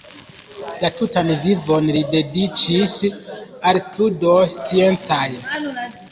La tutan vivon li dediĉis al studoj sciencaj.